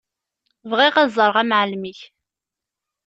Bɣiɣ ad ẓreɣ amεellem-ik.